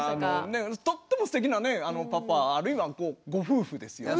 とってもすてきなねパパあるいはご夫婦ですよね。